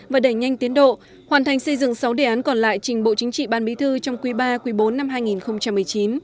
và đẩy nhanh tiến độ hoàn thành xây dựng sáu đề án còn lại trình bộ chính trị ban bí thư trong quý ba quý bốn năm hai nghìn một mươi chín